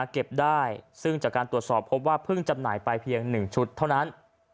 เก็บได้ซึ่งจากการตรวจสอบพบว่าเพิ่งจำหน่ายไปเพียง๑ชุดเท่านั้น